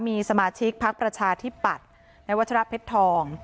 มีสมาชิกพักประชาธิปัตย์ในวัชระเพชรทอง